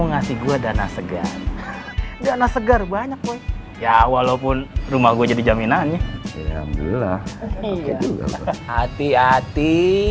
ngasih gua dana segar dana segar banyak ya walaupun rumah gue jadi jaminannya hati hati